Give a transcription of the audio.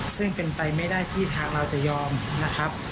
ซึ่งเป็นไปไม่ได้ที่ทางเราจะยอมนะครับ